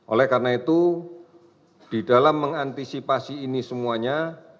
oleh karena itu di dalam mengantisipasi ini semuanya